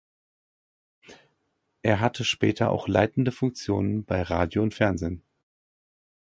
Er hatte später auch leitende Funktionen bei Radio und Fernsehen.